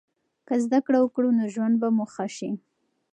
که زده کړه وکړو نو ژوند به مو ښه سي.